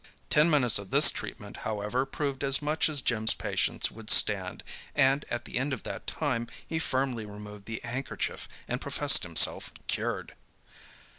Ten minutes of this treatment, however, proved as much as Jim's patience would stand, and at the end of that time he firmly removed the handkerchief, and professed himself cured.